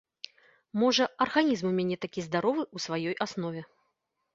Можа, арганізм у мяне такі здаровы ў сваёй аснове.